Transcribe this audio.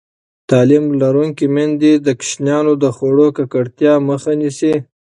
تعلیم لرونکې میندې د ماشومانو د خوړو ککړتیا مخه نیسي.